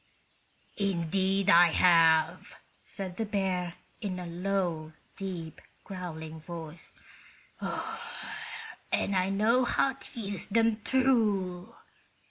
"Indeed I have," said the bear, in a low, deep, growling voice. "And I know how to use them, too.